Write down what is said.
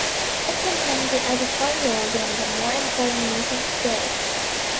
It contained the editorials and the more important news of the day.